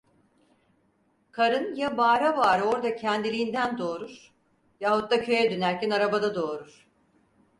Karın ya bağıra bağıra orda kendiliğinden doğurur, yahut da köye dönerken arabada doğurur.